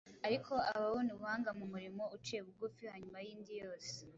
Ariko ababona ubuhanga mu murimo uciye bugufi hanyuma y’indi yose,